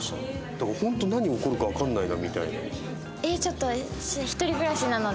だからホント何起こるかわかんないなみたいな。